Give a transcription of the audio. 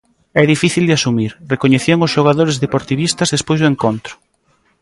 É difícil de asumir, recoñecían os xogadores deportivistas despois do encontro.